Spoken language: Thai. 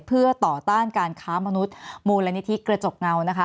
เพื่อต่อต้านการค้ามนุษย์มูลนิธิกระจกเงานะคะ